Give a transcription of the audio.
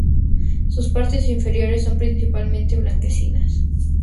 Sus partes inferiores son principalmente blanquecinas.